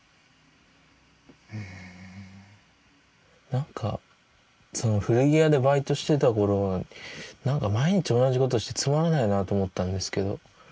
何かその古着屋でバイトしてた頃は何か毎日同じことしてつまらないなと思ったんですけど。